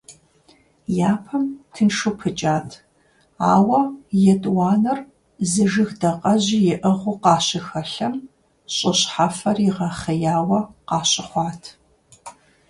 Япэм тыншу пыкӀат, ауэ етӀуанэр зы жыг дакъэжьи иӀыгъыу къащыхэлъэм, щӀы щхьэфэр игъэхъеяуэ къащыхъуат.